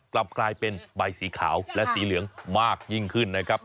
กลับกลายเป็นใบสีขาวและสีเหลืองมากยิ่งขึ้นนะครับ